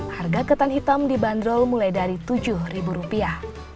harga ketan hitam di bandrol mulai dari tujuh ribu rupiah